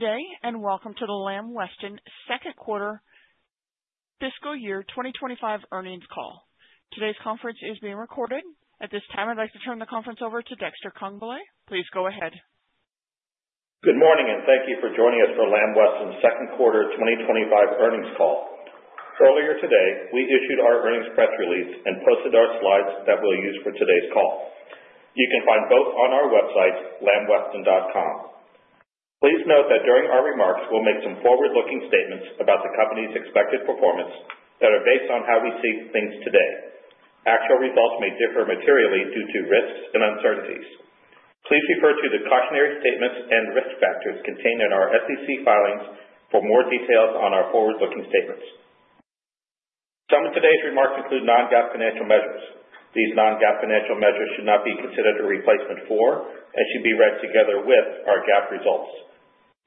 Good day and welcome to the Lamb Weston Q2 fiscal year 2025 earnings call. Today's conference is being recorded. At this time, I'd like to turn the conference over to Dexter Congbalay. Please go ahead. Good morning and thank you for joining us for Lamb Weston Q2 2025 earnings call. Earlier today, we issued our earnings press release and posted our slides that we'll use for today's call. You can find both on our website, lambweston.com. Please note that during our remarks, we'll make some forward-looking statements about the company's expected performance that are based on how we see things today. Actual results may differ materially due to risks and uncertainties. Please refer to the cautionary statements and risk factors contained in our SEC filings for more details on our forward-looking statements. Some of today's remarks include non-GAAP financial measures. These non-GAAP financial measures should not be considered a replacement for and should be read together with our GAAP results.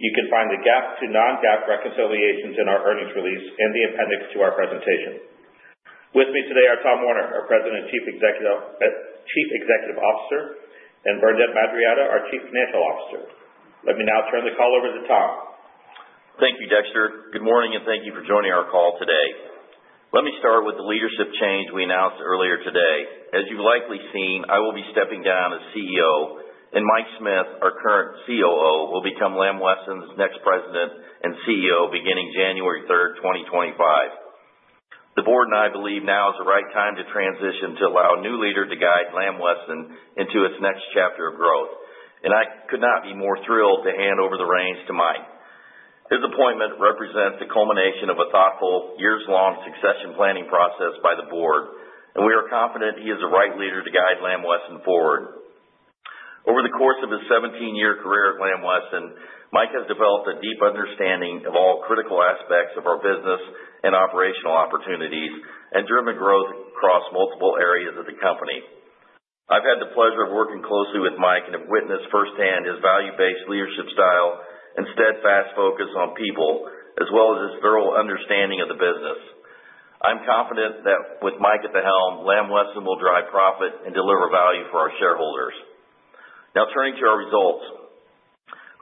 You can find the GAAP to non-GAAP reconciliations in our earnings release and the appendix to our presentation. With me today are Tom Werner, our President and Chief Executive Officer, and Bernadette Madarieta, our Chief Financial Officer. Let me now turn the call over to Tom. Thank you Dexter. Good morning and thank you for joining our call today. Let me start with the leadership change we announced earlier today. As you've likely seen, I will be stepping down as CEO, and Mike Smith, our current COO, will become Lamb Weston's next president and CEO beginning January 3rd, 2025. The board and I believe now is the right time to transition to allow a new leader to guide Lamb Weston into its next chapter of growth, and I could not be more thrilled to hand over the reins to Mike. His appointment represents the culmination of a thoughtful, years-long succession planning process by the board, and we are confident he is the right leader to guide Lamb Weston forward. Over the course of his 17-year career at Lamb Weston, Mike has developed a deep understanding of all critical aspects of our business and operational opportunities and driven growth across multiple areas of the company. I've had the pleasure of working closely with Mike and have witnessed firsthand his value-based leadership style and steadfast focus on people, as well as his thorough understanding of the business. I'm confident that with Mike at the helm, Lamb Weston will drive profit and deliver value for our shareholders. Now, turning to our results,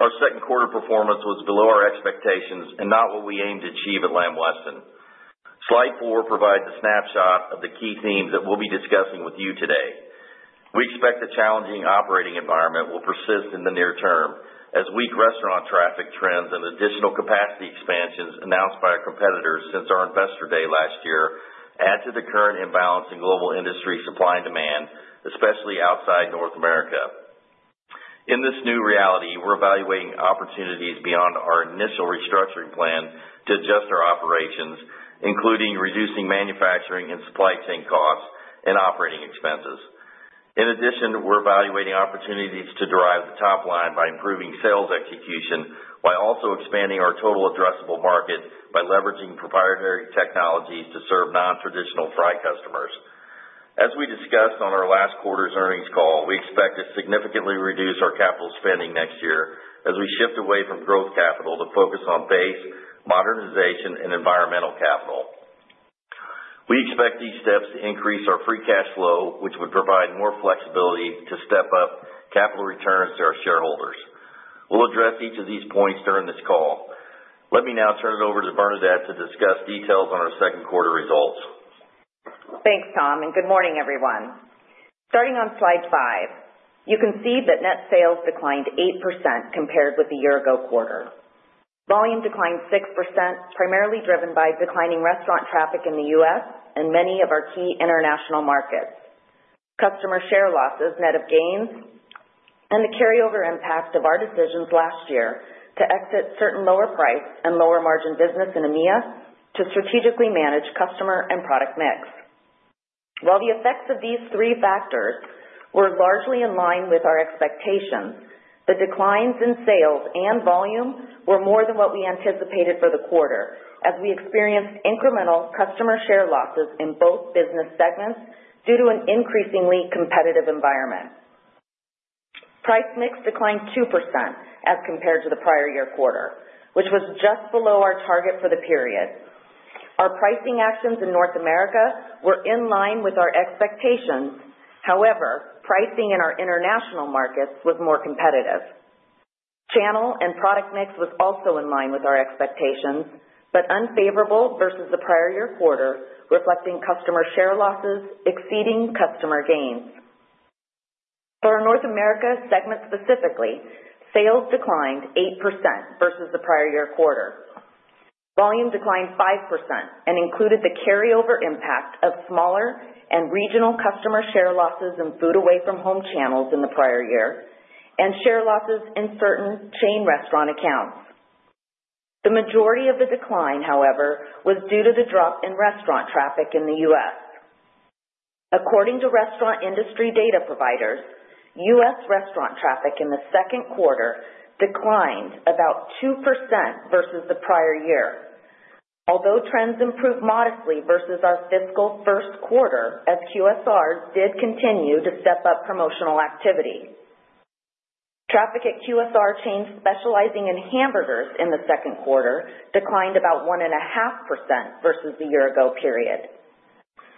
our second quarter performance was below our expectations and not what we aimed to achieve at Lamb Weston. Slide four provides a snapshot of the key themes that we'll be discussing with you today. We expect a challenging operating environment will persist in the near term as weak restaurant traffic trends and additional capacity expansions announced by our competitors since our investor day last year add to the current imbalance in global industry supply and demand, especially outside North America. In this new reality, we're evaluating opportunities beyond our initial restructuring plan to adjust our operations, including reducing manufacturing and supply chain costs and operating expenses. In addition, we're evaluating opportunities to drive the top line by improving sales execution while also expanding our total addressable market by leveraging proprietary technologies to serve non-traditional fry customers. As we discussed on our last quarter's earnings call, we expect to significantly reduce our capital spending next year as we shift away from growth capital to focus on base, modernization, and environmental capital. We expect these steps to increase our free cash flow, which would provide more flexibility to step up capital returns to our shareholders. We'll address each of these points during this call. Let me now turn it over to Bernadette to discuss details on our second quarter results. Thanks, Tom, and good morning, everyone. Starting on slide five, you can see that net sales declined 8% compared with the year-ago quarter. Volume declined 6%, primarily driven by declining restaurant traffic in the U.S. and many of our key international markets, customer share losses net of gains, and the carryover impact of our decisions last year to exit certain lower-priced and lower-margin business in EMEA to strategically manage customer and product mix. While the effects of these three factors were largely in line with our expectations, the declines in sales and volume were more than what we anticipated for the quarter as we experienced incremental customer share losses in both business segments due to an increasingly competitive environment. Price mix declined 2% as compared to the prior year quarter, which was just below our target for the period. Our pricing actions in North America were in line with our expectations. However, pricing in our international markets was more competitive. Channel and product mix was also in line with our expectations, but unfavorable versus the prior year quarter, reflecting customer share losses exceeding customer gains. For our North America segment specifically, sales declined 8% versus the prior year quarter. Volume declined 5% and included the carryover impact of smaller and regional customer share losses in food-away-from-home channels in the prior year and share losses in certain chain restaurant accounts. The majority of the decline, however, was due to the drop in restaurant traffic in the U.S. According to restaurant industry data providers, U.S. restaurant traffic in the second quarter declined about 2% versus the prior year, although trends improved modestly versus our fiscal first quarter as QSRs did continue to step up promotional activity. Traffic at QSR chains specializing in hamburgers in the second quarter declined about 1.5% versus the year-ago period.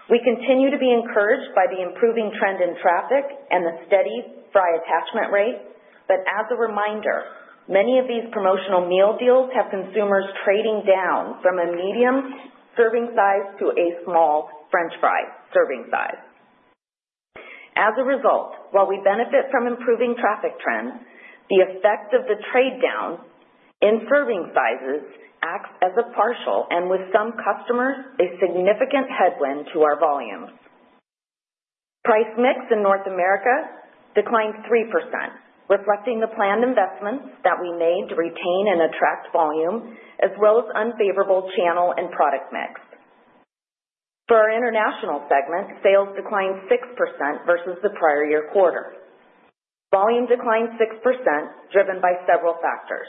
We continue to be encouraged by the improving trend in traffic and the steady fry attachment rate, but as a reminder, many of these promotional meal deals have consumers trading down from a medium serving size to a small French fry serving size. As a result, while we benefit from improving traffic trends, the effect of the trade-down in serving sizes acts as a partial and, with some customers, a significant headwind to our volumes. Price mix in North America declined 3%, reflecting the planned investments that we made to retain and attract volume, as well as unfavorable channel and product mix. For our international segment, sales declined 6% versus the prior year quarter. Volume declined 6%, driven by several factors.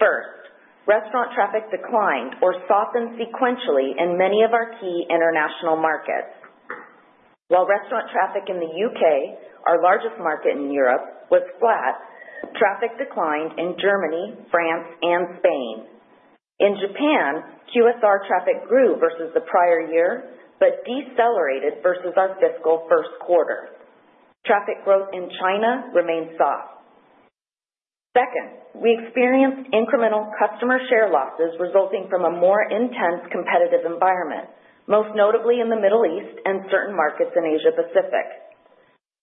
First, restaurant traffic declined or softened sequentially in many of our key international markets. While restaurant traffic in the U.K., our largest market in Europe, was flat, traffic declined in Germany, France, and Spain. In Japan, QSR traffic grew versus the prior year but decelerated versus our fiscal first quarter. Traffic growth in China remained soft. Second, we experienced incremental customer share losses resulting from a more intense competitive environment, most notably in the Middle East and certain markets in Asia-Pacific.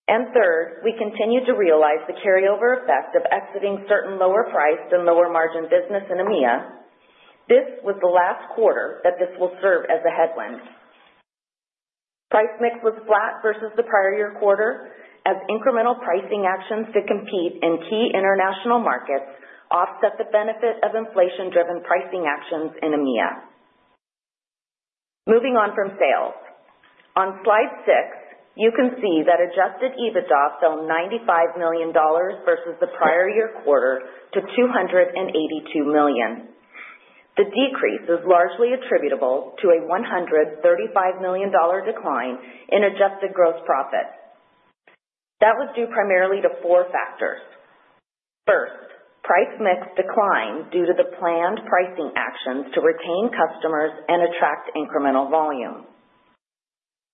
And third, we continue to realize the carryover effect of exiting certain lower-priced and lower-margin business in EMEA. This was the last quarter that this will serve as a headwind. Price mix was flat versus the prior year quarter as incremental pricing actions to compete in key international markets offset the benefit of inflation-driven pricing actions in EMEA. Moving on from sales, on slide six, you can see that Adjusted EBITDA fell $95 million versus the prior year quarter to $282 million. The decrease is largely attributable to a $135 million decline in adjusted gross profit. That was due primarily to four factors. First, price mix declined due to the planned pricing actions to retain customers and attract incremental volume.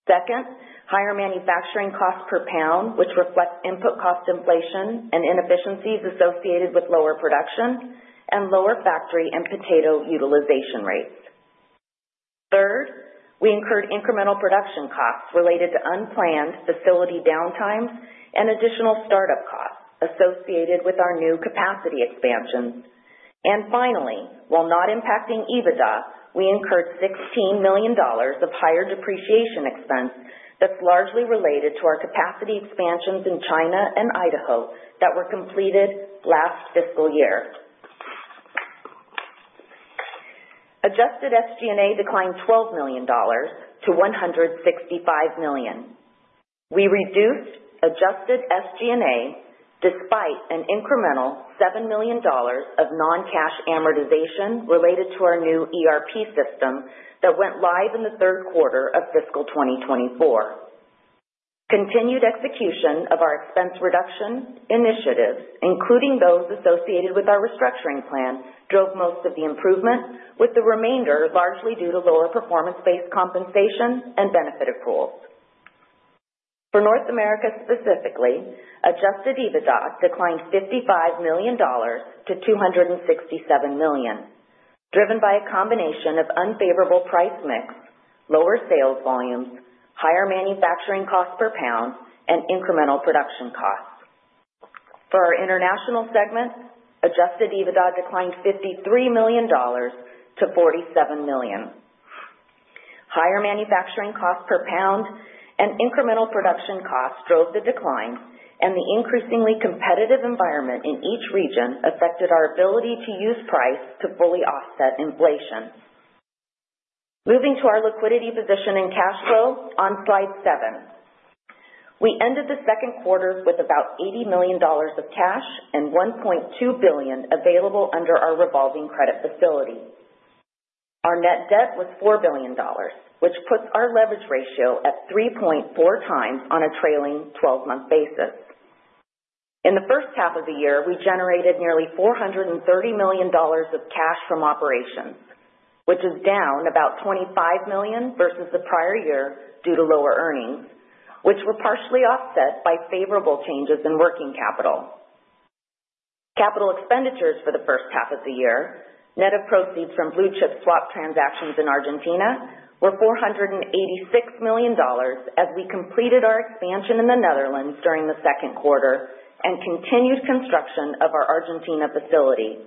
Second, higher manufacturing costs per pound, which reflects input cost inflation and inefficiencies associated with lower production and lower factory and potato utilization rates. Third, we incurred incremental production costs related to unplanned facility downtimes and additional startup costs associated with our new capacity expansions. And finally, while not impacting EBITDA, we incurred $16 million of higher depreciation expense that's largely related to our capacity expansions in China and Idaho that were completed last fiscal year. Adjusted SG&A declined $12 million to $165 million. We reduced adjusted SG&A despite an incremental $7 million of non-cash amortization related to our new ERP system that went live in the third quarter of fiscal 2024. Continued execution of our expense reduction initiatives, including those associated with our restructuring plan, drove most of the improvement, with the remainder largely due to lower performance-based compensation and benefit accruals. For North America specifically, adjusted EBITDA declined $55 million to $267 million, driven by a combination of unfavorable price mix, lower sales volumes, higher manufacturing costs per pound, and incremental production costs. For our international segment, adjusted EBITDA declined $53 million to $47 million. Higher manufacturing costs per pound and incremental production costs drove the decline, and the increasingly competitive environment in each region affected our ability to use price to fully offset inflation. Moving to our liquidity position and cash flow on slide seven, we ended the second quarter with about $80 million of cash and $1.2 billion available under our revolving credit facility. Our net debt was $4 billion, which puts our leverage ratio at 3.4 times on a trailing 12-month basis. In the first half of the year, we generated nearly $430 million of cash from operations, which is down about $25 million versus the prior year due to lower earnings, which were partially offset by favorable changes in working capital. Capital expenditures for the first half of the year, net of proceeds from blue chip swap transactions in Argentina, were $486 million as we completed our expansion in the Netherlands during the second quarter and continued construction of our Argentina facility.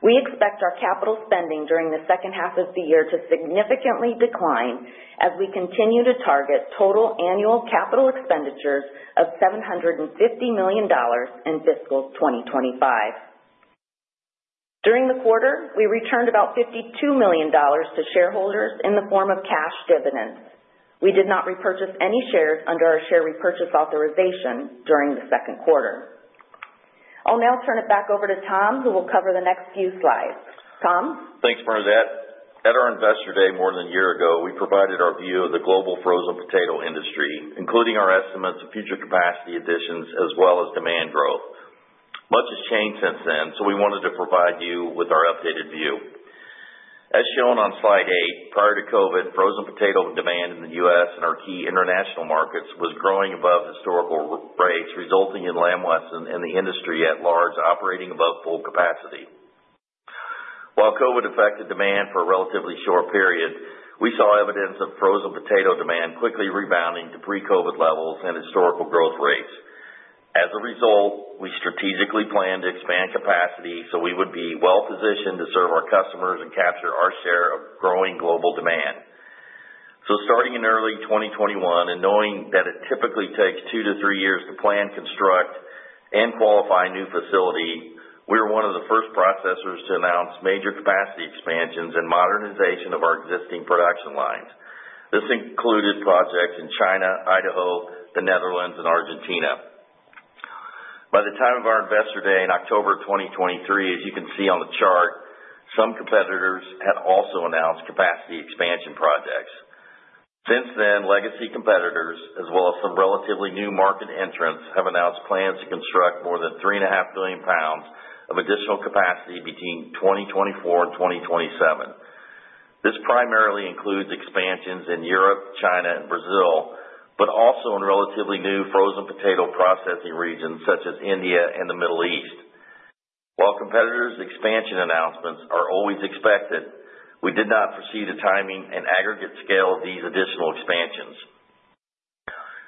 We expect our capital spending during the second half of the year to significantly decline as we continue to target total annual capital expenditures of $750 million in fiscal 2025. During the quarter, we returned about $52 million to shareholders in the form of cash dividends. We did not repurchase any shares under our share repurchase authorization during the second quarter. I'll now turn it back over to Tom, who will cover the next few slides. Tom? Thanks, Bernadette. At our investor day more than a year ago, we provided our view of the global frozen potato industry, including our estimates of future capacity additions as well as demand growth. Much has changed since then, so we wanted to provide you with our updated view. As shown on slide eight, prior to COVID, frozen potato demand in the U.S. and our key international markets was growing above historical rates, resulting in Lamb Weston and the industry at large operating above full capacity. While COVID affected demand for a relatively short period, we saw evidence of frozen potato demand quickly rebounding to pre-COVID levels and historical growth rates. As a result, we strategically planned to expand capacity so we would be well-positioned to serve our customers and capture our share of growing global demand. So, starting in early 2021 and knowing that it typically takes two to three years to plan, construct, and qualify a new facility, we were one of the first processors to announce major capacity expansions and modernization of our existing production lines. This included projects in China, Idaho, the Netherlands, and Argentina. By the time of our investor day in October 2023, as you can see on the chart, some competitors had also announced capacity expansion projects. Since then, legacy competitors, as well as some relatively new market entrants, have announced plans to construct more than 3.5 billion pounds of additional capacity between 2024 and 2027. This primarily includes expansions in Europe, China, and Brazil, but also in relatively new frozen potato processing regions such as India and the Middle East. While competitors' expansion announcements are always expected, we did not foresee the timing and aggregate scale of these additional expansions.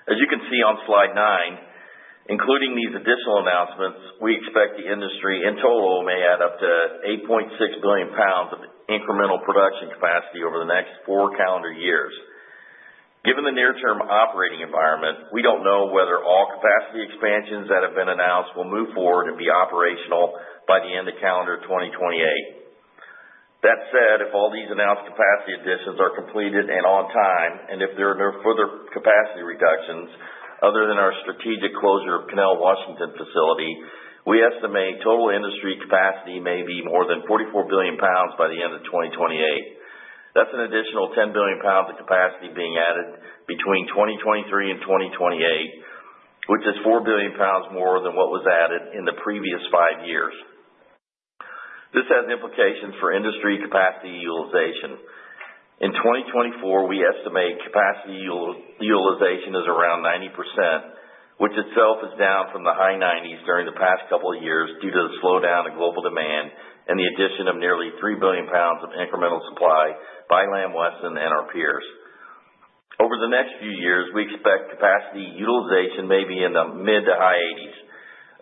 As you can see on slide nine, including these additional announcements, we expect the industry in total may add up to 8.6 billion pounds of incremental production capacity over the next four calendar years. Given the near-term operating environment, we don't know whether all capacity expansions that have been announced will move forward and be operational by the end of calendar 2028. That said, if all these announced capacity additions are completed and on time, and if there are no further capacity reductions other than our strategic closure of Connell, Washington facility, we estimate total industry capacity may be more than 44 billion pounds by the end of 2028. That's an additional 10 billion pounds of capacity being added between 2023 and 2028, which is 4 billion pounds more than what was added in the previous five years. This has implications for industry capacity utilization. In 2024, we estimate capacity utilization is around 90%, which itself is down from the high 90s during the past couple of years due to the slowdown in global demand and the addition of nearly 3 billion pounds of incremental supply by Lamb Weston and our peers. Over the next few years, we expect capacity utilization may be in the mid to high 80s.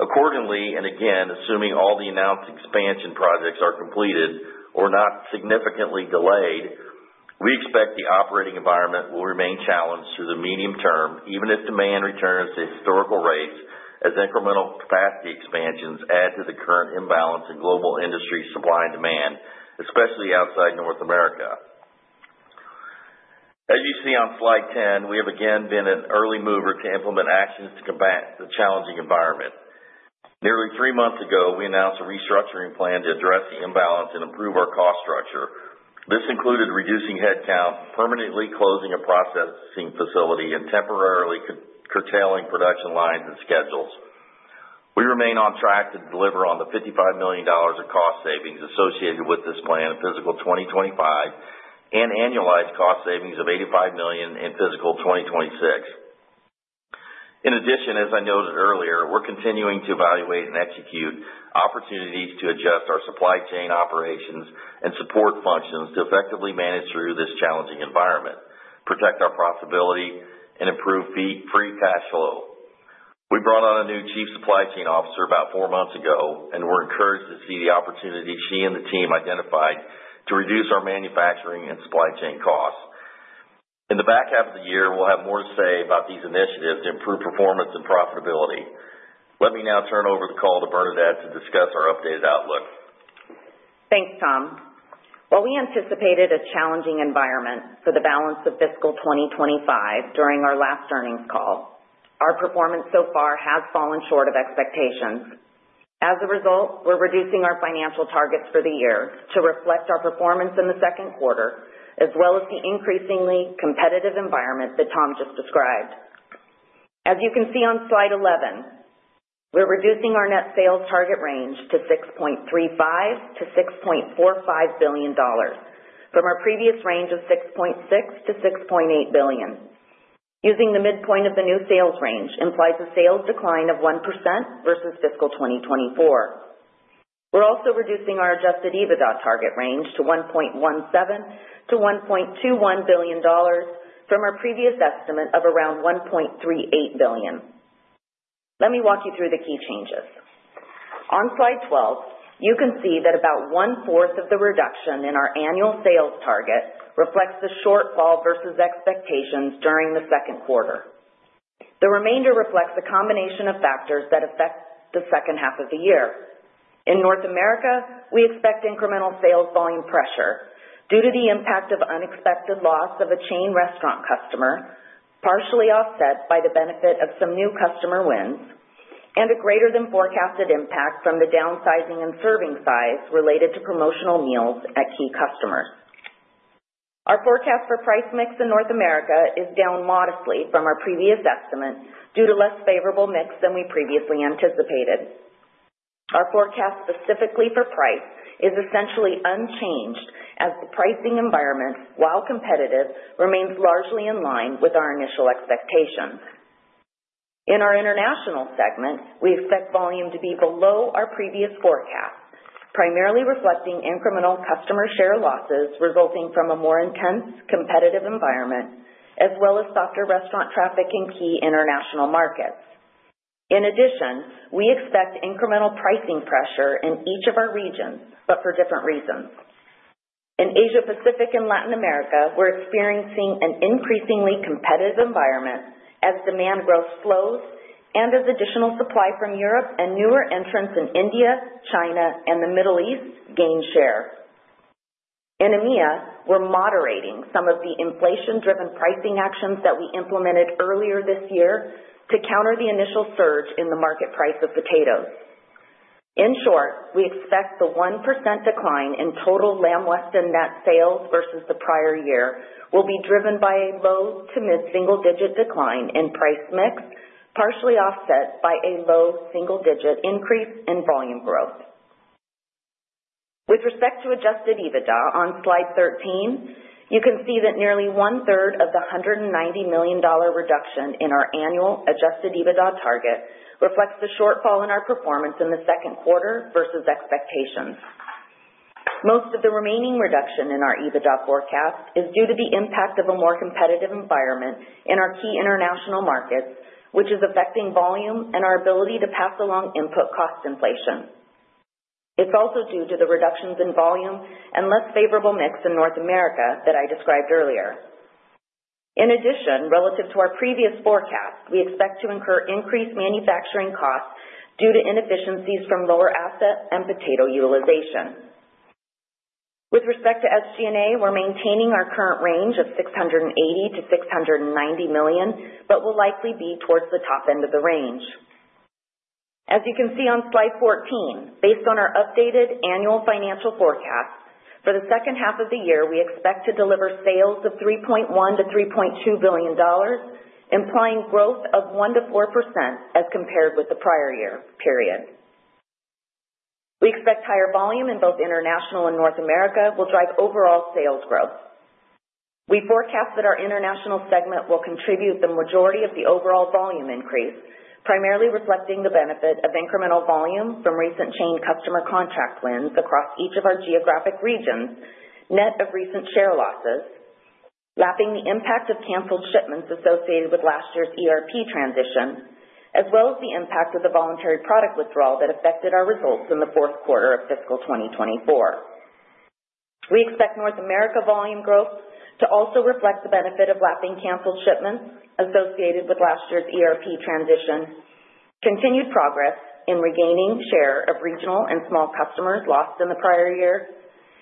Accordingly, and again, assuming all the announced expansion projects are completed or not significantly delayed, we expect the operating environment will remain challenged through the medium term, even if demand returns to historical rates as incremental capacity expansions add to the current imbalance in global industry supply and demand, especially outside North America. As you see on slide 10, we have again been an early mover to implement actions to combat the challenging environment. Nearly three months ago, we announced a restructuring plan to address the imbalance and improve our cost structure. This included reducing headcount, permanently closing a processing facility, and temporarily curtailing production lines and schedules. We remain on track to deliver on the $55 million of cost savings associated with this plan in fiscal 2025 and annualized cost savings of $85 million in fiscal 2026. In addition, as I noted earlier, we're continuing to evaluate and execute opportunities to adjust our supply chain operations and support functions to effectively manage through this challenging environment, protect our profitability, and improve free cash flow. We brought on a new chief supply chain officer about four months ago, and we're encouraged to see the opportunity she and the team identified to reduce our manufacturing and supply chain costs. In the back half of the year, we'll have more to say about these initiatives to improve performance and profitability. Let me now turn over the call to Bernadette to discuss our updated outlook. Thanks, Tom. While we anticipated a challenging environment for the balance of fiscal 2025 during our last earnings call, our performance so far has fallen short of expectations. As a result, we're reducing our financial targets for the year to reflect our performance in the second quarter, as well as the increasingly competitive environment that Tom just described. As you can see on slide 11, we're reducing our net sales target range to $6.35 to 6.45 billion from our previous range of $6.6 to 6.8 billion. Using the midpoint of the new sales range implies a sales decline of 1% versus fiscal 2024. We're also reducing our adjusted EBITDA target range to $1.17 to 1.21 billion from our previous estimate of around $1.38 billion. Let me walk you through the key changes. On slide 12, you can see that about one-fourth of the reduction in our annual sales target reflects the shortfall versus expectations during the Q2. The remainder reflects a combination of factors that affect the second half of the year. In North America, we expect incremental sales volume pressure due to the impact of unexpected loss of a chain restaurant customer, partially offset by the benefit of some new customer wins, and a greater-than-forecasted impact from the downsizing and serving size related to promotional meals at key customers. Our forecast for price mix in North America is down modestly from our previous estimate due to less favorable mix than we previously anticipated. Our forecast specifically for price is essentially unchanged as the pricing environment, while competitive, remains largely in line with our initial expectations. In our international segment, we expect volume to be below our previous forecast, primarily reflecting incremental customer share losses resulting from a more intense competitive environment, as well as softer restaurant traffic in key international markets. In addition, we expect incremental pricing pressure in each of our regions, but for different reasons. In Asia-Pacific and Latin America, we're experiencing an increasingly competitive environment as demand growth slows and as additional supply from Europe and newer entrants in India, China, and the Middle East gains share. In EMEA, we're moderating some of the inflation-driven pricing actions that we implemented earlier this year to counter the initial surge in the market price of potatoes. In short, we expect the 1% decline in total Lamb Weston net sales versus the prior year will be driven by a low to mid-single-digit decline in price mix, partially offset by a low single-digit increase in volume growth. With respect to Adjusted EBITDA on slide 13, you can see that nearly one-third of the $190 million reduction in our annual Adjusted EBITDA target reflects the shortfall in our performance in the second quarter versus expectations. Most of the remaining reduction in our EBITDA forecast is due to the impact of a more competitive environment in our key international markets, which is affecting volume and our ability to pass along input cost inflation. It's also due to the reductions in volume and less favorable mix in North America that I described earlier. In addition, relative to our previous forecast, we expect to incur increased manufacturing costs due to inefficiencies from lower asset and potato utilization. With respect to SG&A, we're maintaining our current range of $680 to 690 million, but will likely be towards the top end of the range. As you can see on slide 14, based on our updated annual financial forecast, for the second half of the year, we expect to deliver sales of $3.1 to 3.2 billion, implying growth of 1%-4% as compared with the prior year period. We expect higher volume in both international and North America will drive overall sales growth. We forecast that our international segment will contribute the majority of the overall volume increase, primarily reflecting the benefit of incremental volume from recent chain customer contract wins across each of our geographic regions, net of recent share losses, lapping the impact of canceled shipments associated with last year's ERP transition, as well as the impact of the voluntary product withdrawal that affected our results in the fourth quarter of fiscal 2024. We expect North America volume growth to also reflect the benefit of lapping canceled shipments associated with last year's ERP transition, continued progress in regaining share of regional and small customers lost in the prior year,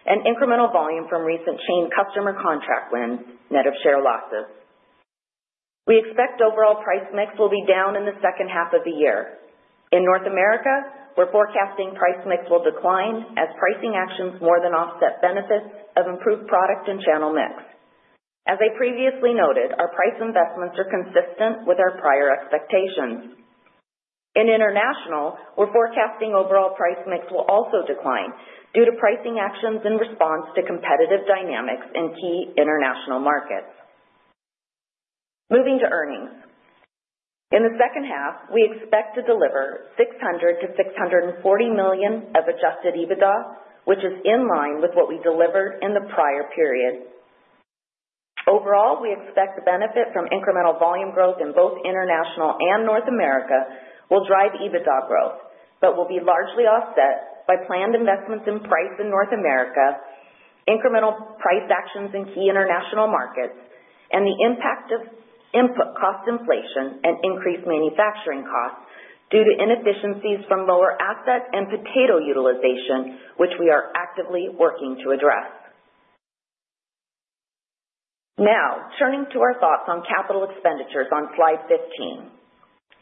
and incremental volume from recent chain customer contract wins, net of share losses. We expect overall price mix will be down in the second half of the year. In North America, we're forecasting price mix will decline as pricing actions more than offset benefits of improved product and channel mix. As I previously noted, our price investments are consistent with our prior expectations. In international, we're forecasting overall price mix will also decline due to pricing actions in response to competitive dynamics in key international markets. Moving to earnings. In the second half, we expect to deliver $600 to 640 million of Adjusted EBITDA, which is in line with what we delivered in the prior period. Overall, we expect the benefit from incremental volume growth in both international and North America will drive EBITDA growth, but will be largely offset by planned investments in price in North America, incremental price actions in key international markets, and the impact of input cost inflation and increased manufacturing costs due to inefficiencies from lower asset and potato utilization, which we are actively working to address. Now, turning to our thoughts on capital expenditures on slide 15.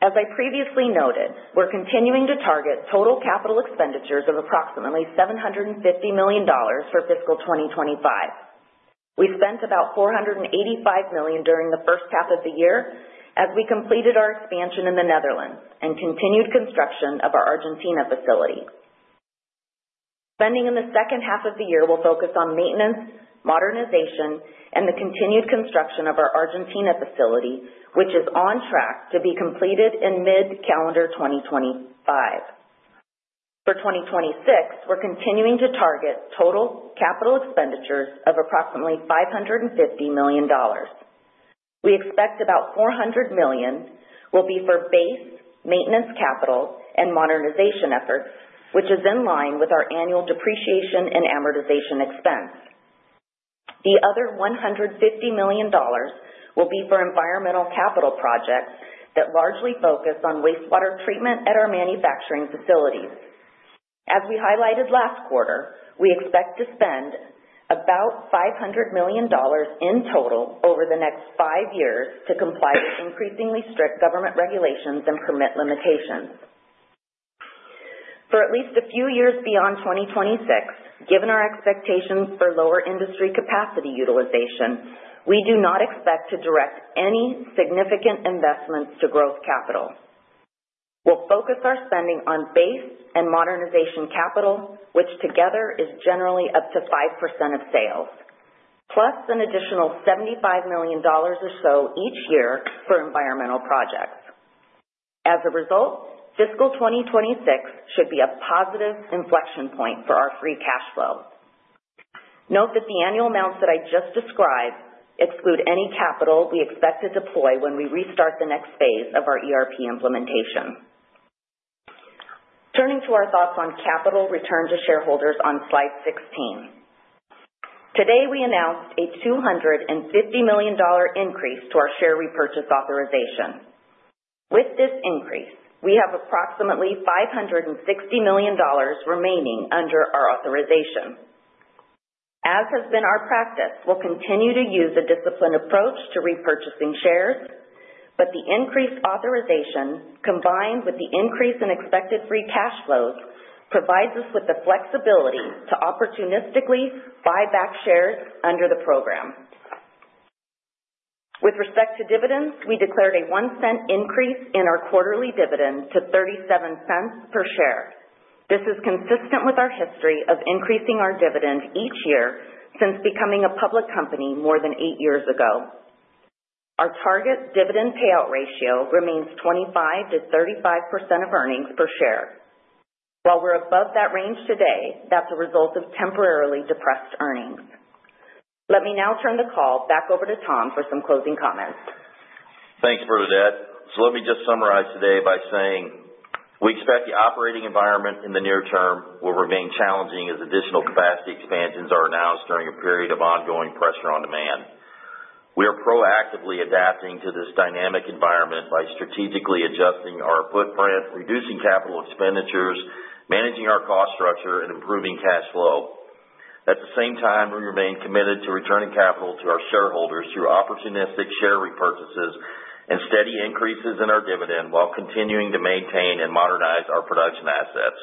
As I previously noted, we're continuing to target total capital expenditures of approximately $750 million for fiscal 2025. We spent about $485 million during the first half of the year as we completed our expansion in the Netherlands and continued construction of our Argentina facility. Spending in the second half of the year will focus on maintenance, modernization, and the continued construction of our Argentina facility, which is on track to be completed in mid-calendar 2025. For 2026, we're continuing to target total capital expenditures of approximately $550 million. We expect about $400 million will be for base, maintenance capital, and modernization efforts, which is in line with our annual depreciation and amortization expense. The other $150 million will be for environmental capital projects that largely focus on wastewater treatment at our manufacturing facilities. As we highlighted last quarter, we expect to spend about $500 million in total over the next five years to comply with increasingly strict government regulations and permit limitations. For at least a few years beyond 2026, given our expectations for lower industry capacity utilization, we do not expect to direct any significant investments to growth capital. We'll focus our spending on base and modernization capital, which together is generally up to 5% of sales, plus an additional $75 million or so each year for environmental projects. As a result, fiscal 2026 should be a positive inflection point for our free cash flow. Note that the annual amounts that I just described exclude any capital we expect to deploy when we restart the next phase of our ERP implementation. Turning to our thoughts on capital return to shareholders on slide 16. Today, we announced a $250 million increase to our share repurchase authorization. With this increase, we have approximately $560 million remaining under our authorization. As has been our practice, we'll continue to use a disciplined approach to repurchasing shares, but the increased authorization combined with the increase in expected free cash flows provides us with the flexibility to opportunistically buy back shares under the program. With respect to dividends, we declared a $0.01 increase in our quarterly dividend to $0.37 per share. This is consistent with our history of increasing our dividend each year since becoming a public company more than eight years ago. Our target dividend payout ratio remains 25%-35% of earnings per share. While we're above that range today, that's a result of temporarily depressed earnings. Let me now turn the call back over to Tom for some closing comments. Thanks, Bernadette. Let me just summarize today by saying we expect the operating environment in the near term will remain challenging as additional capacity expansions are announced during a period of ongoing pressure on demand. We are proactively adapting to this dynamic environment by strategically adjusting our footprint, reducing capital expenditures, managing our cost structure, and improving cash flow. At the same time, we remain committed to returning capital to our shareholders through opportunistic share repurchases and steady increases in our dividend while continuing to maintain and modernize our production assets.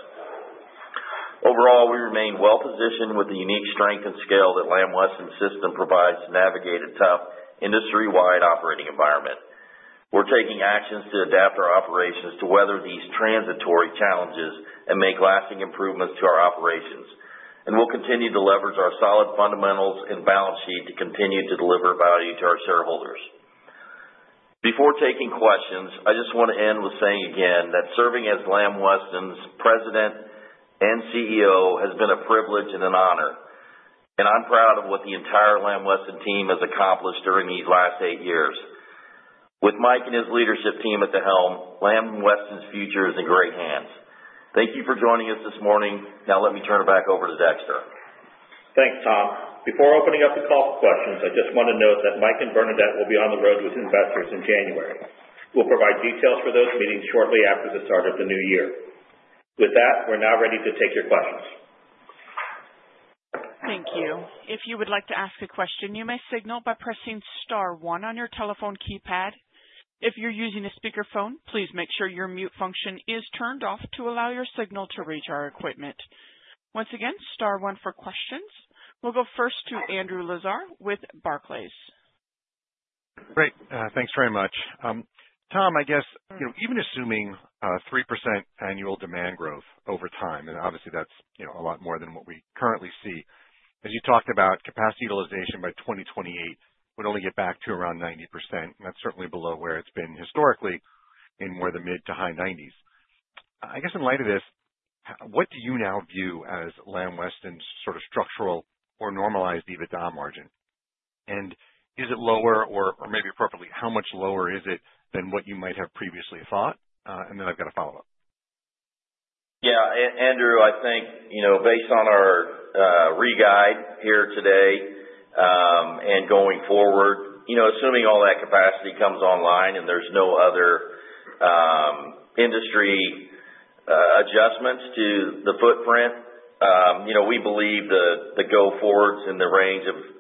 Overall, we remain well-positioned with the unique strength and scale that Lamb Weston system provides to navigate a tough industry-wide operating environment. We're taking actions to adapt our operations to weather these transitory challenges and make lasting improvements to our operations. We'll continue to leverage our solid fundamentals and balance sheet to continue to deliver value to our shareholders. Before taking questions, I just want to end with saying again that serving as Lamb Weston's President and CEO has been a privilege and an honor. I'm proud of what the entire Lamb Weston team has accomplished during these last eight years. With Mike and his leadership team at the helm, Lamb Weston's future is in great hands. Thank you for joining us this morning. Now, let me turn it back over to Dexter. Thanks, Tom. Before opening up the call for questions, I just want to note that Mike and Bernadette will be on the road with investors in January. We'll provide details for those meetings shortly after the start of the new year. With that, we're now ready to take your questions. Thank you. If you would like to ask a question, you may signal by pressing Star 1 on your telephone keypad. If you're using a speakerphone, please make sure your mute function is turned off to allow your signal to reach our equipment. Once again, Star 1 for questions. We'll go first to Andrew Lazar with Barclays. Great. Thanks very much. Tom, I guess even assuming 3% annual demand growth over time, and obviously that's a lot more than what we currently see, as you talked about, capacity utilization by 2028 would only get back to around 90%. And that's certainly below where it's been historically in more of the mid- to high 90s. I guess in light of this, what do you now view as Lamb Weston's sort of structural or normalized EBITDA margin? And is it lower or maybe appropriately, how much lower is it than what you might have previously thought? And then I've got a follow-up. Yeah. Andrew, I think based on our re-guide here today and going forward, assuming all that capacity comes online and there's no other industry adjustments to the footprint, we believe the go forwards in the range of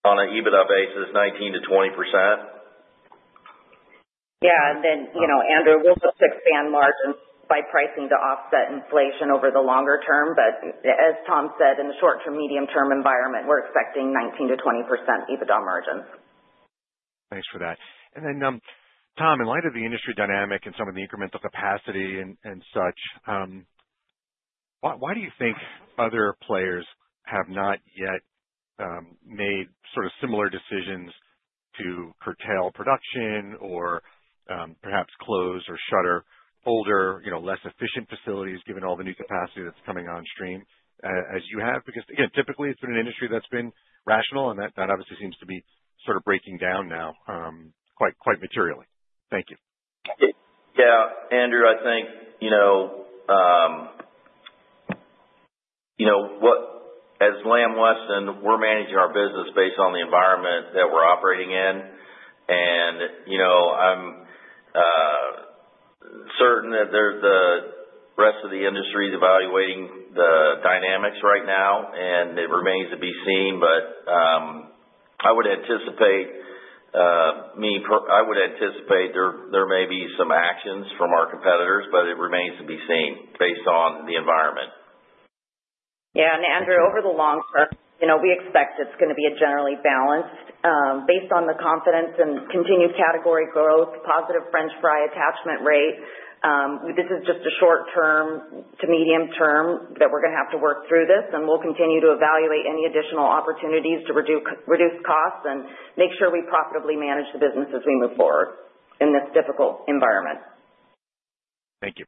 on an EBITDA basis, 19%-20%. Yeah, and then, Andrew, we'll just expand margins by pricing to offset inflation over the longer term, but as Tom said, in the short-term, medium-term environment, we're expecting 19%-20% EBITDA margin. Thanks for that, and then, Tom, in light of the industry dynamic and some of the incremental capacity and such, why do you think other players have not yet made sort of similar decisions to curtail production or perhaps close or shutter older, less efficient facilities given all the new capacity that's coming on stream as you have? Because, again, typically, it's been an industry that's been rational, and that obviously seems to be sort of breaking down now quite materially. Thank you. Yeah. Andrew, I think as Lamb Weston, we're managing our business based on the environment that we're operating in. And I'm certain that the rest of the industry is evaluating the dynamics right now, and it remains to be seen. But I would anticipate there may be some actions from our competitors, but it remains to be seen based on the environment. Yeah. And Andrew, over the long term, we expect it's going to be a generally balanced based on the confidence and continued category growth, positive French fry attachment rate. This is just a short-term to medium term that we're going to have to work through this. And we'll continue to evaluate any additional opportunities to reduce costs and make sure we profitably manage the business as we move forward in this difficult environment. Thank you.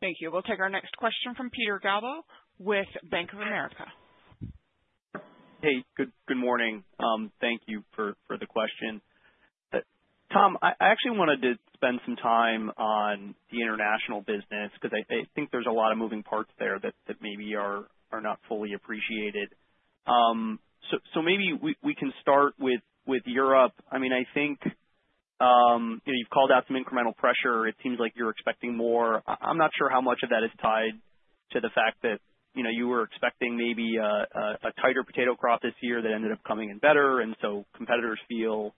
Thank you. We'll take our next question from Peter Galbo with Bank of America. Hey, good morning. Thank you for the question. Tom, I actually wanted to spend some time on the international business because I think there's a lot of moving parts there that maybe are not fully appreciated. So maybe we can start with Europe. I mean, I think you've called out some incremental pressure. It seems like you're expecting more. I'm not sure how much of that is tied to the fact that you were expecting maybe a tighter potato crop this year that ended up coming in better. And so competitors feel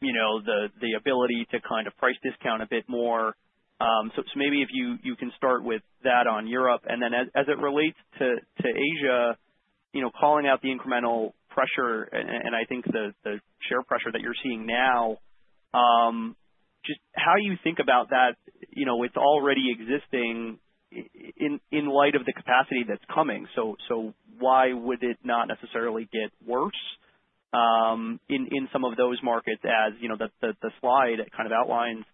the ability to kind of price discount a bit more. So maybe if you can start with that on Europe. And then as it relates to Asia, calling out the incremental pressure, and I think the share pressure that you're seeing now, just how you think about that, it's already existing in light of the capacity that's coming. So why would it not necessarily get worse in some of those markets as the slide kind of outlines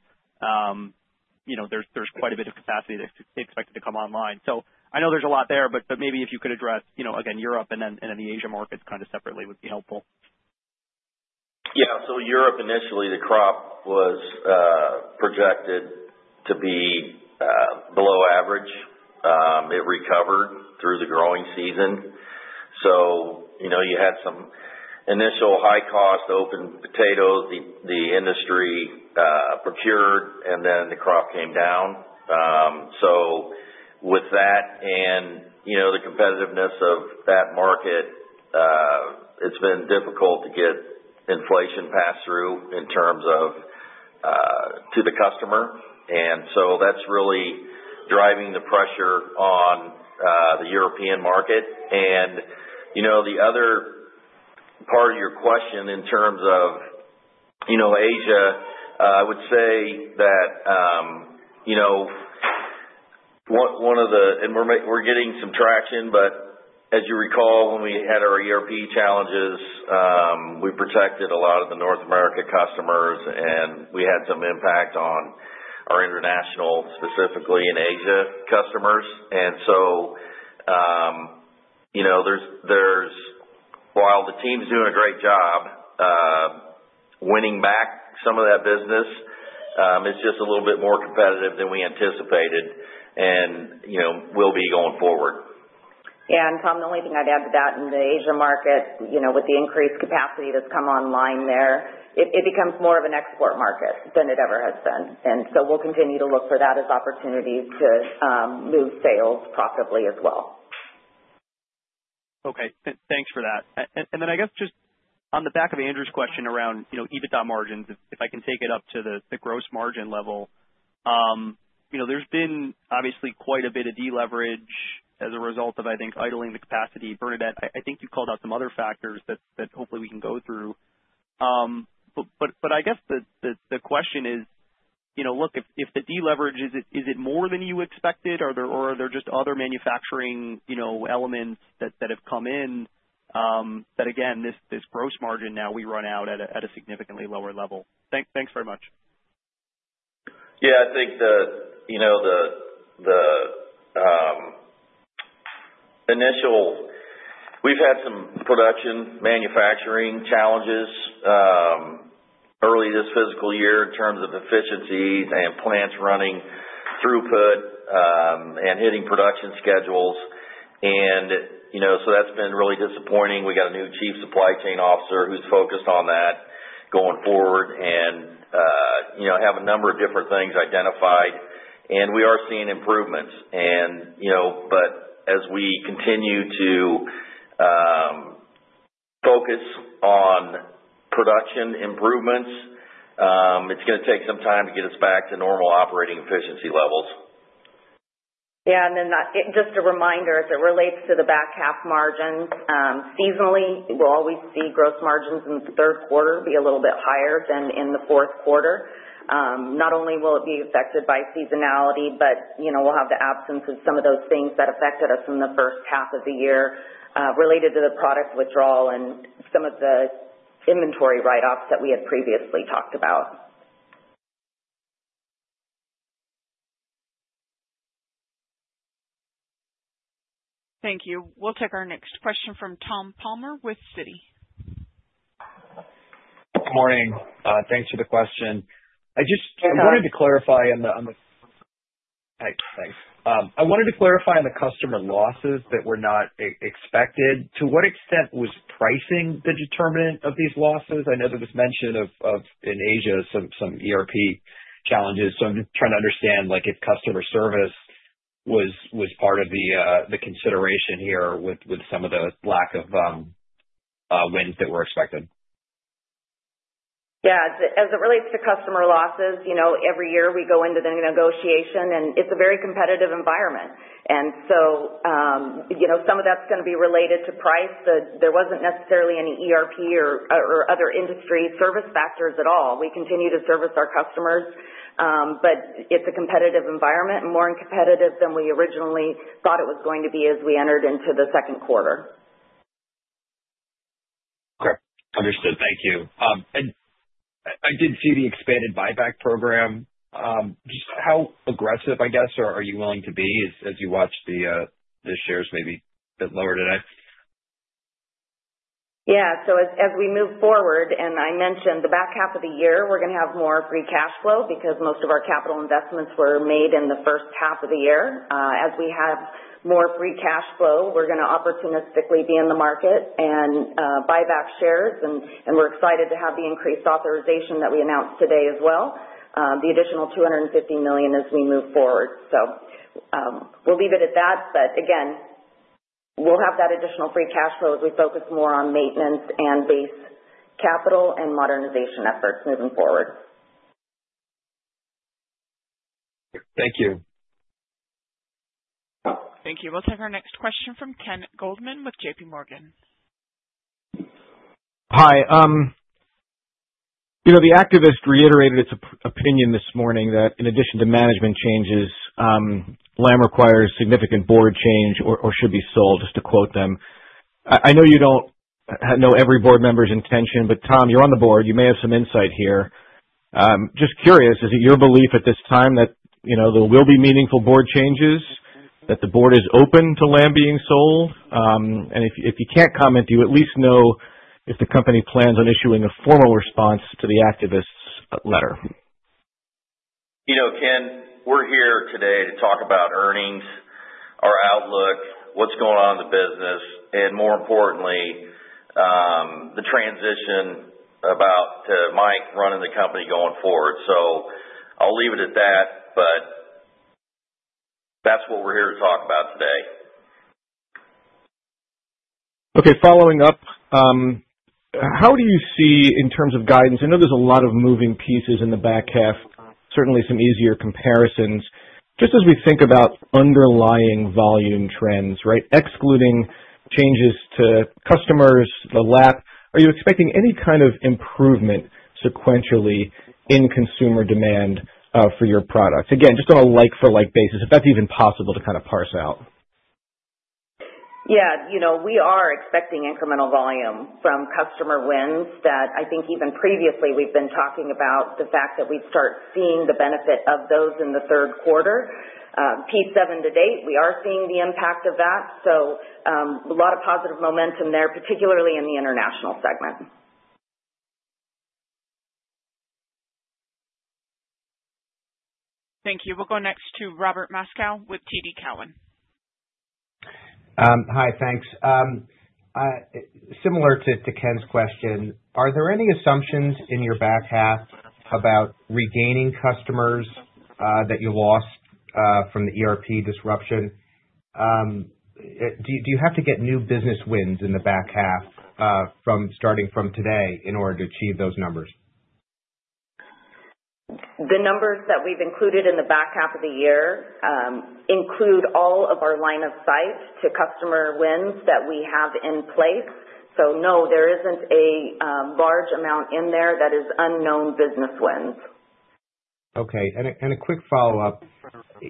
there's quite a bit of capacity that's expected to come online? So I know there's a lot there, but maybe if you could address, again, Europe and then the Asia markets kind of separately would be helpful. Yeah. So Europe initially, the crop was projected to be below average. It recovered through the growing season. So you had some initial high-cost open potatoes the industry procured, and then the crop came down. So with that and the competitiveness of that market, it's been difficult to get inflation passed through in terms of to the customer. And so that's really driving the pressure on the European market. And the other part of your question in terms of Asia, I would say that one of the, and we're getting some traction, but as you recall, when we had our ERP challenges, we protected a lot of the North America customers, and we had some impact on our international, specifically in Asia customers. While the team's doing a great job winning back some of that business, it's just a little bit more competitive than we anticipated and will be going forward. Yeah. And Tom, the only thing I'd add to that in the Asia market, with the increased capacity that's come online there, it becomes more of an export market than it ever has been. And so we'll continue to look for that as opportunities to move sales profitably as well. Okay. Thanks for that. And then I guess just on the back of Andrew's question around EBITDA margins, if I can take it up to the gross margin level, there's been obviously quite a bit of deleverage as a result of, I think, idling the capacity. Bernadette, I think you called out some other factors that hopefully we can go through. But I guess the question is, look, if the deleverage, is it more than you expected, or are there just other manufacturing elements that have come in that, again, this gross margin now we run out at a significantly lower level? Thanks very much. Yeah. I think the initial - we've had some production manufacturing challenges early this fiscal year in terms of efficiencies and plants running throughput and hitting production schedules. And so that's been really disappointing. We got a new Chief Supply Chain Officer who's focused on that going forward and have a number of different things identified. And we are seeing improvements. But as we continue to focus on production improvements, it's going to take some time to get us back to normal operating efficiency levels. Yeah. And then just a reminder, as it relates to the back half margins, seasonally, we'll always see gross margins in the third quarter be a little bit higher than in the fourth quarter. Not only will it be affected by seasonality, but we'll have the absence of some of those things that affected us in the first half of the year related to the product withdrawal and some of the inventory write-offs that we had previously talked about. Thank you. We'll take our next question from Tom Palmer with Citi. Good morning. Thanks for the question. I wanted to clarify on the customer losses that were not expected. To what extent was pricing the determinant of these losses? I know there was mention of, in Asia, some ERP challenges. So I'm trying to understand if customer service was part of the consideration here with some of the lack of wins that were expected. Yeah. As it relates to customer losses, every year we go into the negotiation, and it's a very competitive environment. And so some of that's going to be related to price. There wasn't necessarily any ERP or other industry service factors at all. We continue to service our customers, but it's a competitive environment, more competitive than we originally thought it was going to be as we entered into the second quarter. Okay. Understood. Thank you. And I did see the expanded buyback program. Just how aggressive, I guess, are you willing to be as you watch the shares maybe a bit lower today? Yeah. So as we move forward, and I mentioned the back half of the year, we're going to have more free cash flow because most of our capital investments were made in the first half of the year. As we have more free cash flow, we're going to opportunistically be in the market and buy back shares. And we're excited to have the increased authorization that we announced today as well, the additional 250 million as we move forward. So we'll leave it at that. But again, we'll have that additional free cash flow as we focus more on maintenance and base capital and modernization efforts moving forward. Thank you. Thank you. We'll take our next question from Ken Goldman with J.P. Morgan. Hi. The activist reiterated its opinion this morning that in addition to management changes, Lamb Weston requires significant board change or should be sold, just to quote them. I know you don't know every board member's intention, but Tom, you're on the board. You may have some insight here. Just curious, is it your belief at this time that there will be meaningful board changes, that the board is open to Lamb Weston being sold? and if you can't comment, do you at least know if the company plans on issuing a formal response to the activist's letter? Ken, we're here today to talk about earnings, our outlook, what's going on in the business, and more importantly, the transition about Mike running the company going forward. So I'll leave it at that, but that's what we're here to talk about today. Okay. Following up, how do you see in terms of guidance? I know there's a lot of moving pieces in the back half, certainly some easier comparisons. Just as we think about underlying volume trends, right, excluding changes to customers, the lap, are you expecting any kind of improvement sequentially in consumer demand for your product? Again, just on a like-for-like basis, if that's even possible to kind of parse out. Yeah. We are expecting incremental volume from customer wins that I think even previously we've been talking about the fact that we'd start seeing the benefit of those in the third quarter. Q3 to date, we are seeing the impact of that. So a lot of positive momentum there, particularly in the international segment. Thank you. We'll go next to Robert Moskow with TD Cowen. Hi. Thanks. Similar to Ken's question, are there any assumptions in your back half about regaining customers that you lost from the ERP disruption? Do you have to get new business wins in the back half starting from today in order to achieve those numbers? The numbers that we've included in the back half of the year include all of our line of sight to customer wins that we have in place, so no, there isn't a large amount in there that is unknown business wins. Okay. And a quick follow-up.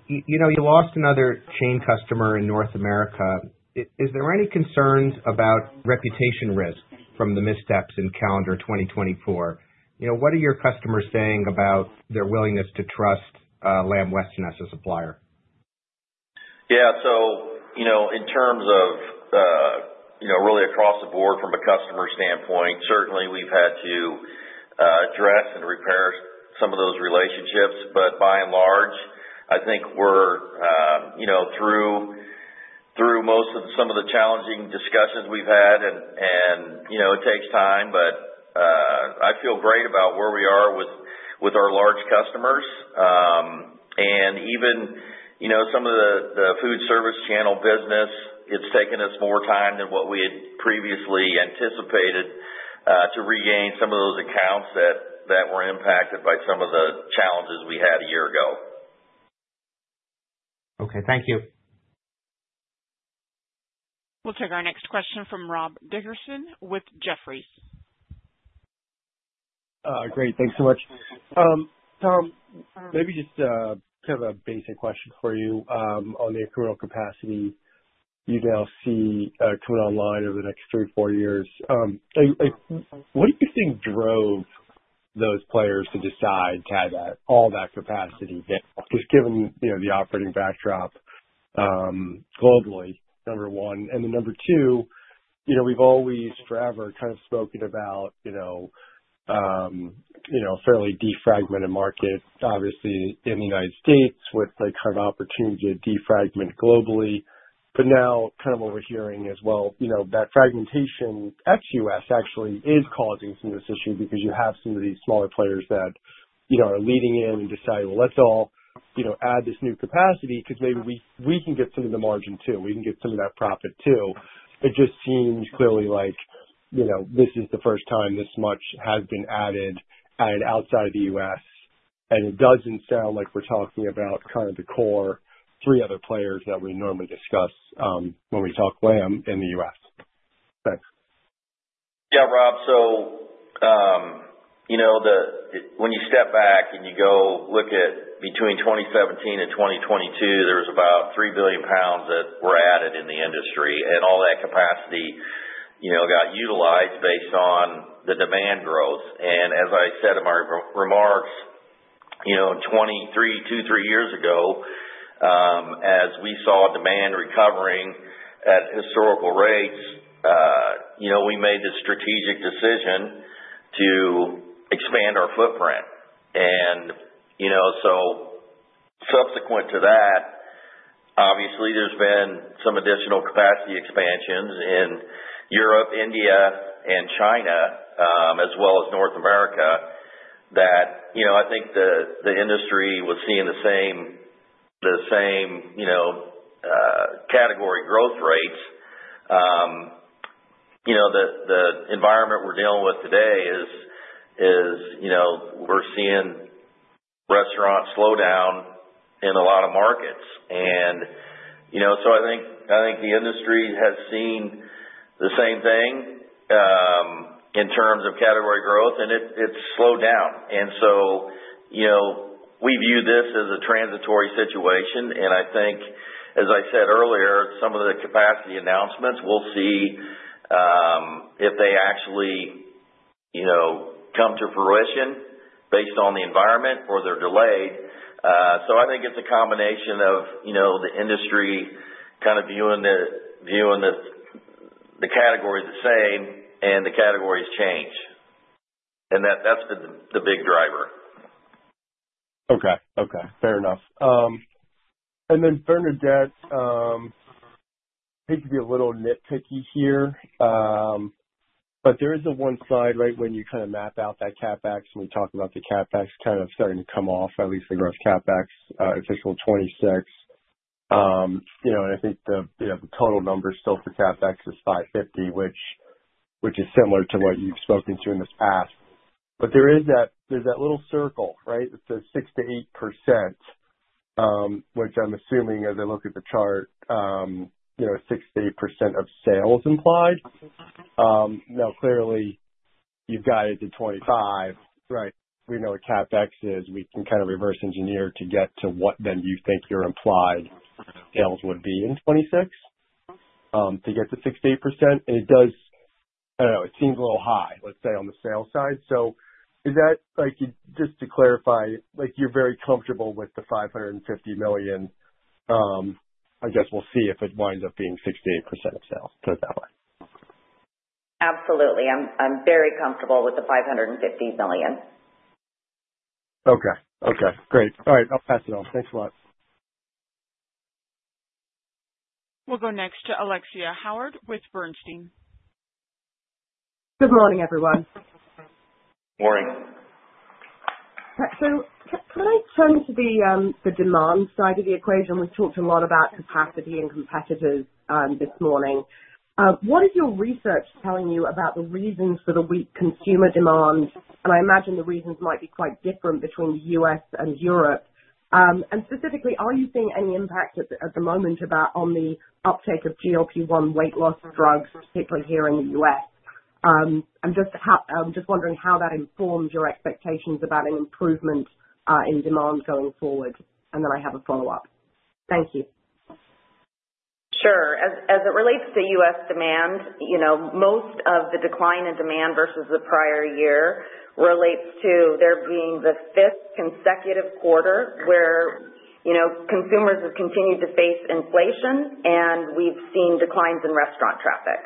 You lost another chain customer in North America. Is there any concerns about reputation risk from the missteps in calendar 2024? What are your customers saying about their willingness to trust Lamb Weston as a supplier? Yeah. So in terms of really across the board from a customer standpoint, certainly we've had to address and repair some of those relationships. But by and large, I think we're through most of the challenging discussions we've had. And it takes time, but I feel great about where we are with our large customers. And even some of the food service channel business, it's taken us more time than what we had previously anticipated to regain some of those accounts that were impacted by some of the challenges we had a year ago. Okay. Thank you. We'll take our next question from Rob Dickerson with Jefferies. Great. Thanks so much. Tom, maybe just kind of a basic question for you on the incremental capacity you now see coming online over the next three to four years. What do you think drove those players to decide to have all that capacity now, just given the operating backdrop globally, number one? And then number two, we've always forever kind of spoken about a fairly fragmented market, obviously in the United States with kind of opportunity to defragment globally. But now kind of what we're hearing is, well, that fragmentation ex-US actually is causing some of this issue because you have some of these smaller players that are leaning in and deciding, well, let's all add this new capacity because maybe we can get some of the margin too. We can get some of that profit too. It just seems clearly like this is the first time this much has been added outside of the U.S. And it doesn't sound like we're talking about kind of the core three other players that we normally discuss when we talk Lamb in the U.S. Thanks. Yeah, Rob. So when you step back and you go look at between 2017 and 2022, there was about 3 billion pounds that were added in the industry. And all that capacity got utilized based on the demand growth. And as I said in my remarks, two, two, three years ago, as we saw demand recovering at historical rates, we made the strategic decision to expand our footprint. And so subsequent to that, obviously, there's been some additional capacity expansions in Europe, India, and China, as well as North America that I think the industry was seeing the same category growth rates. The environment we're dealing with today is we're seeing restaurants slow down in a lot of markets. And so I think the industry has seen the same thing in terms of category growth, and it's slowed down. And so we view this as a transitory situation. And I think, as I said earlier, some of the capacity announcements we'll see if they actually come to fruition based on the environment or they're delayed. So I think it's a combination of the industry kind of viewing the category the same, and the categories change. And that's been the big driver. Okay. Okay. Fair enough. And then Bernadette, I hate to be a little nitpicky here, but there is one side, right, when you kind of map out that CapEx, and we talked about the CapEx kind of starting to come off, at least the gross CapEx for fiscal 26. And I think the total number still for CapEx is $550 million, which is similar to what you've spoken to in the past. But there is that little circle, right, the 6 to 8%, which I'm assuming, as I look at the chart, 6 to 8% of sales implied. Now, clearly, you've got it to 25, right? We know what CapEx is. We can kind of reverse engineer to get to what then you think your implied sales would be in 26 to get to 6% to 8%. And it does. I don't know. It seems a little high, let's say, on the sales side. So is that, just to clarify, you're very comfortable with the $550 million? I guess we'll see if it winds up being 6% to 8% of sales, put it that way. Absolutely. I'm very comfortable with the $550 million. Okay. Okay. Great. All right. I'll pass it off. Thanks a lot. We'll go next to Alexia Howard with Bernstein. Good morning, everyone. Morning. Can I turn to the demand side of the equation? We've talked a lot about capacity and competitors this morning. What is your research telling you about the reasons for the weak consumer demand? I imagine the reasons might be quite different between the US and Europe. Specifically, are you seeing any impact at the moment on the uptake of GLP-1 weight loss drugs, particularly here in the US? I'm just wondering how that informs your expectations about an improvement in demand going forward. Then I have a follow-up. Thank you. Sure. As it relates to U.S. demand, most of the decline in demand versus the prior year relates to there being the fifth consecutive quarter where consumers have continued to face inflation, and we've seen declines in restaurant traffic.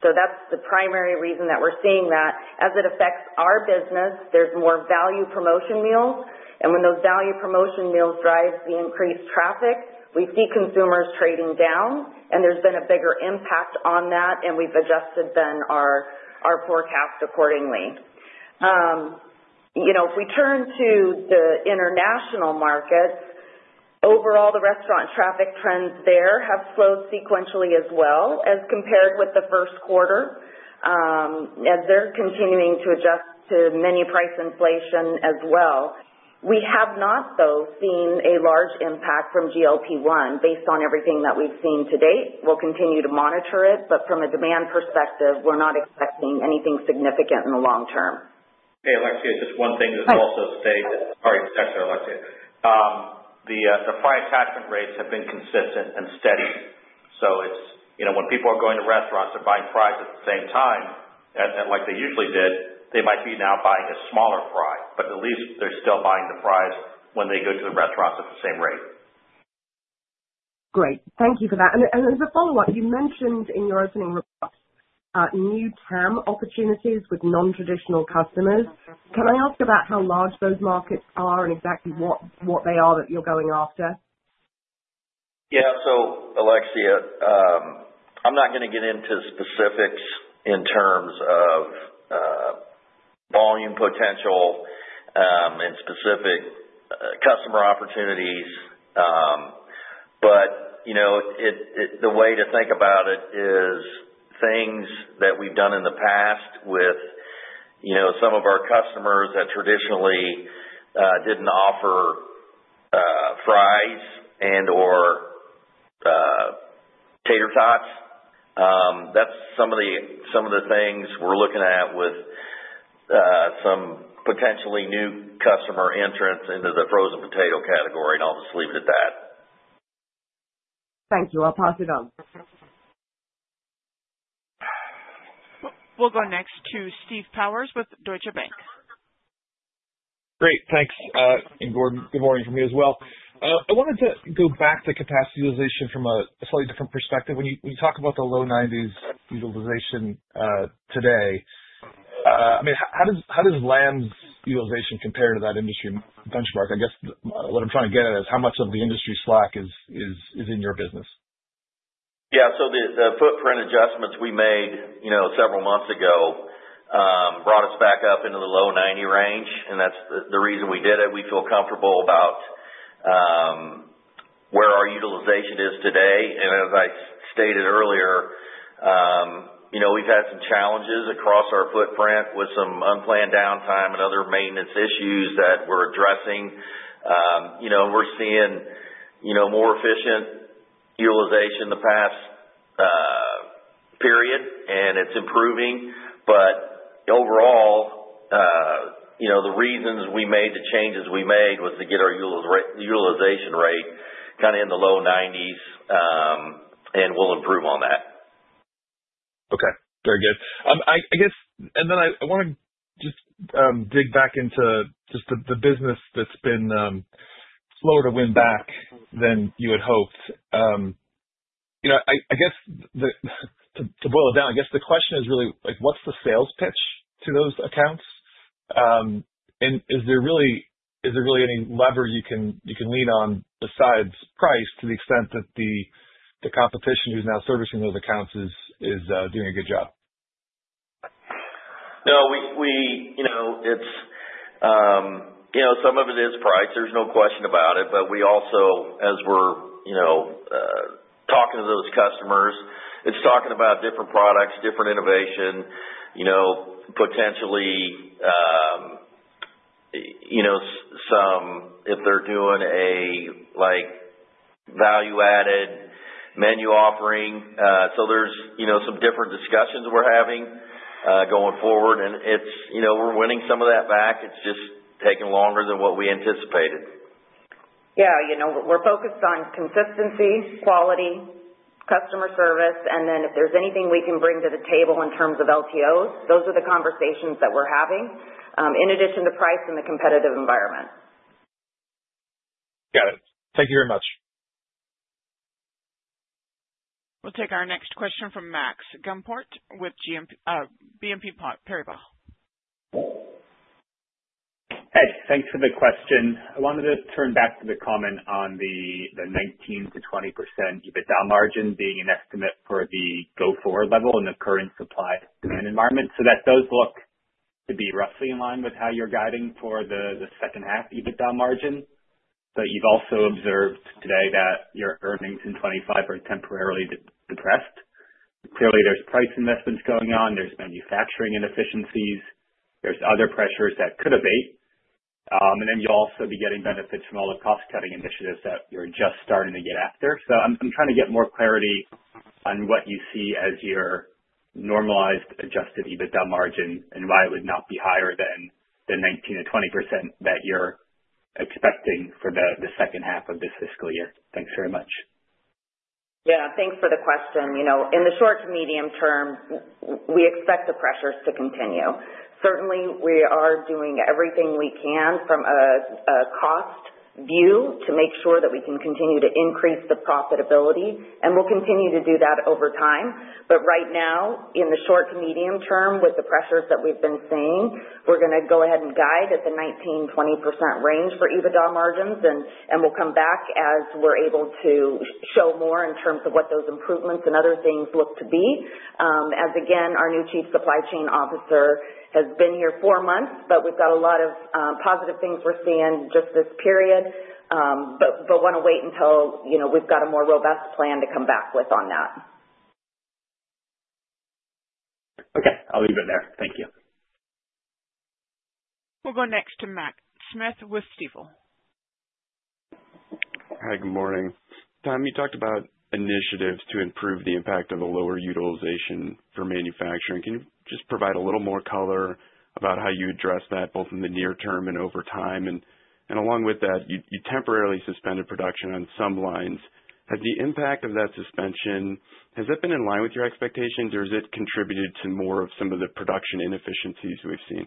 So that's the primary reason that we're seeing that. As it affects our business, there's more value promotion meals. And when those value promotion meals drive the increased traffic, we see consumers trading down, and there's been a bigger impact on that, and we've adjusted then our forecast accordingly. If we turn to the international markets, overall, the restaurant traffic trends there have slowed sequentially as well as compared with the first quarter. As they're continuing to adjust to many price inflation as well. We have not, though, seen a large impact from GLP-1 based on everything that we've seen to date. We'll continue to monitor it. But from a demand perspective, we're not expecting anything significant in the long term. Hey, Alexia, just one thing to also state, sorry, Dexter, Alexia. The fry attachment rates have been consistent and steady so when people are going to restaurants and buying fries at the same time as they usually did, they might be now buying a smaller fry, but at least they're still buying the fries when they go to the restaurants at the same rate. Great. Thank you for that. And as a follow-up, you mentioned in your opening remarks new TAM opportunities with non-traditional customers. Can I ask about how large those markets are and exactly what they are that you're going after? Yeah. So, Alexia, I'm not going to get into specifics in terms of volume potential and specific customer opportunities. But the way to think about it is things that we've done in the past with some of our customers that traditionally didn't offer fries and/or tater tots. That's some of the things we're looking at with some potentially new customer entrants into the frozen potato category, and I'll just leave it at that. Thank you. I'll pass it on. We'll go next to Steve Powers with Deutsche Bank. Great. Thanks. Good morning from me as well. I wanted to go back to capacity utilization from a slightly different perspective. When you talk about the low 90s utilization today, I mean, how does Lamb's utilization compare to that industry benchmark? I guess what I'm trying to get at is how much of the industry slack is in your business? Yeah. So the footprint adjustments we made several months ago brought us back up into the low 90 range, and that's the reason we did it. We feel comfortable about where our utilization is today. And as I stated earlier, we've had some challenges across our footprint with some unplanned downtime and other maintenance issues that we're addressing. We're seeing more efficient utilization in the past period, and it's improving. But overall, the reasons we made the changes we made was to get our utilization rate kind of in the low 90s, and we'll improve on that. Okay. Very good. I guess, and then I want to just dig back into just the business that's been slower to win back than you had hoped. I guess to boil it down, I guess the question is really, what's the sales pitch to those accounts? And is there really any lever you can lean on besides price to the extent that the competition who's now servicing those accounts is doing a good job? No. It's some of it is price. There's no question about it. But we also, as we're talking to those customers, it's talking about different products, different innovation, potentially some if they're doing a value-added menu offering. So there's some different discussions we're having going forward. And we're winning some of that back. It's just taking longer than what we anticipated. Yeah. We're focused on consistency, quality, customer service, and then if there's anything we can bring to the table in terms of LTOs, those are the conversations that we're having in addition to price and the competitive environment. Got it. Thank you very much. We'll take our next question from Max Gumport with BNP Paribas. Hey! Thanks for the question. I wanted to turn back to the comment on the 19% to 20% EBITDA margin being an estimate for the go-forward level in the current supply-demand environment. So that does look to be roughly in line with how you're guiding for the second half EBITDA margin. But you've also observed today that your earnings in 2025 are temporarily depressed. Clearly, there's price investments going on. There's manufacturing inefficiencies. There's other pressures that could abate. And then you'll also be getting benefits from all the cost-cutting initiatives that you're just starting to get after. So I'm trying to get more clarity on what you see as your normalized adjusted EBITDA margin and why it would not be higher than the 19 to 20% that you're expecting for the second half of this fiscal year. Thanks very much. Yeah. Thanks for the question. In the short to medium term, we expect the pressures to continue. Certainly, we are doing everything we can from a cost view to make sure that we can continue to increase the profitability. And we'll continue to do that over time. But right now, in the short to medium term, with the pressures that we've been seeing, we're going to go ahead and guide at the 19 to 20% range for EBITDA margins. And we'll come back as we're able to show more in terms of what those improvements and other things look to be. Again, our new Chief Supply Chain Officer has been here four months, but we've got a lot of positive things we're seeing just this period, but want to wait until we've got a more robust plan to come back with on that. Okay. I'll leave it there. Thank you. We'll go next to Matt Smith with Stifel. Hi. Good morning. Tom, you talked about initiatives to improve the impact of the lower utilization for manufacturing. Can you just provide a little more color about how you addressed that both in the near term and over time? And along with that, you temporarily suspended production on some lines. Has the impact of that suspension, has that been in line with your expectations, or has it contributed to more of some of the production inefficiencies we've seen?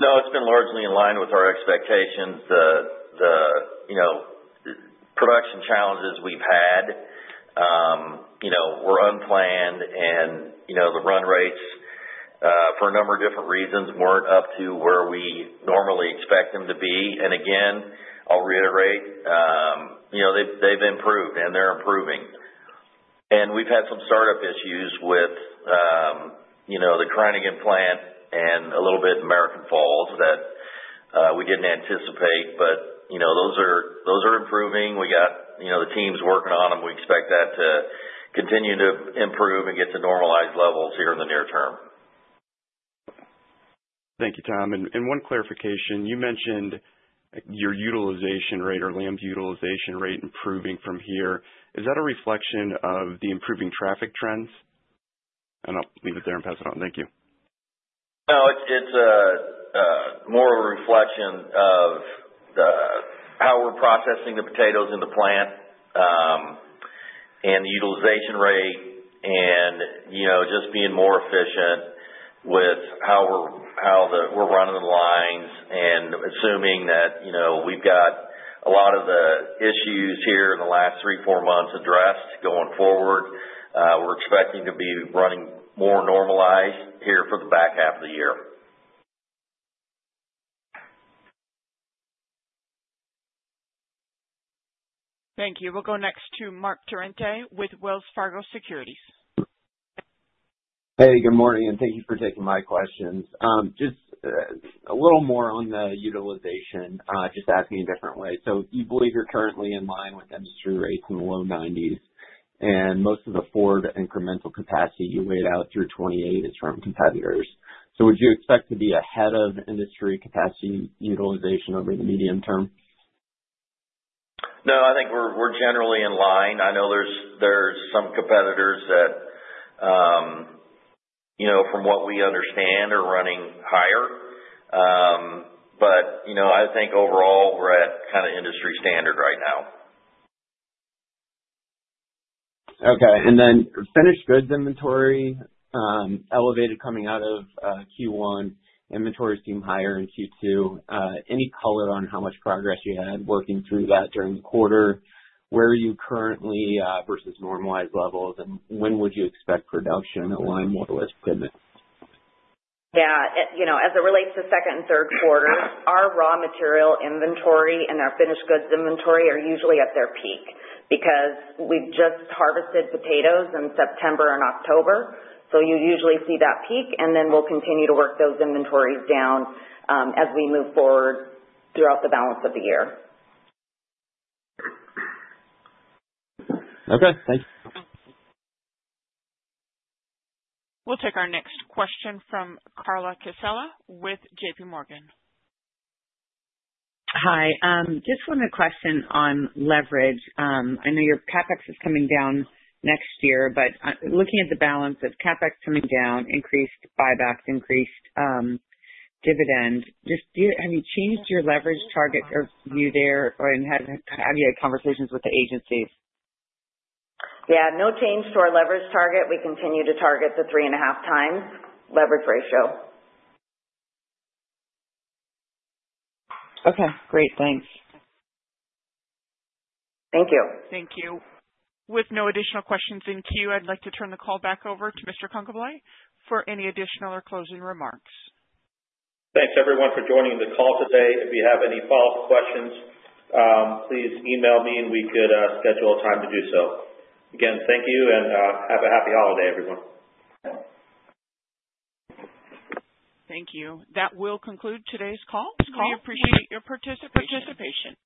No. It's been largely in line with our expectations. The production challenges we've had were unplanned, and the run rates for a number of different reasons weren't up to where we normally expect them to be. And again, I'll reiterate, they've improved, and they're improving. And we've had some startup issues with the Kruiningen plant and a little bit in American Falls that we didn't anticipate, but those are improving. We got the teams working on them. We expect that to continue to improve and get to normalized levels here in the near term. Thank you, Tom, and one clarification. You mentioned your utilization rate or Lamb's utilization rate improving from here. Is that a reflection of the improving traffic trends, and I'll leave it there and pass it on. Thank you. No. It's more of a reflection of how we're processing the potatoes in the plant and the utilization rate and just being more efficient with how we're running the lines and assuming that we've got a lot of the issues here in the last three, four months addressed going forward. We're expecting to be running more normalized here for the back half of the year. Thank you. We'll go next to Marc Torrente with Wells Fargo Securities. Hey. Good morning, and thank you for taking my questions. Just a little more on the utilization, just asking in a different way, so you believe you're currently in line with industry rates in the low 90s, and most of the forward incremental capacity you weighed out through 2028 is from competitors, so would you expect to be ahead of industry capacity utilization over the medium term? No. I think we're generally in line. I know there's some competitors that, from what we understand, are running higher. But I think overall, we're at kind of industry standard right now. Okay. And then finished goods inventory elevated coming out of Q1. Inventory seemed higher in Q2. Any color on how much progress you had working through that during the quarter? Where are you currently versus normalized levels? And when would you expect production to align more with demand? Yeah. As it relates to second and third quarters, our raw material inventory and our finished goods inventory are usually at their peak because we've just harvested potatoes in September and October. So you usually see that peak, and then we'll continue to work those inventories down as we move forward throughout the balance of the year. Okay. Thank you. We'll take our next question from Carla Casella with J.P. Morgan. Hi. Just one more question on leverage. I know your CapEx is coming down next year, but looking at the balance of CapEx coming down, increased buybacks, increased dividend, have you changed your leverage target or view there? And have you had conversations with the agencies? Yeah. No change to our leverage target. We continue to target the three and a half times leverage ratio. Okay. Great. Thanks. Thank you. Thank you. With no additional questions in queue, I'd like to turn the call back over to Mr. Congbalay for any additional or closing remarks. Thanks, everyone, for joining the call today. If you have any follow-up questions, please email me, and we could schedule a time to do so. Again, thank you, and have a happy holiday, everyone. Thank you. That will conclude today's call. We appreciate your participation.